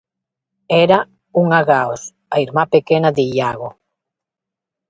Era unha Gaos, a irmá pequena de Iago.